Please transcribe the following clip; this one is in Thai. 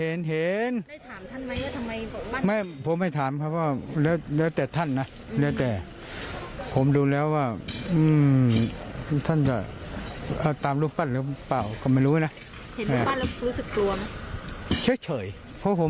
โอเคเพราะว่ามันก็ดูแล้วมันก็เป็นเศษปูนเศษหิน